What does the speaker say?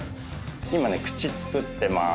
今ね口作ってまーす。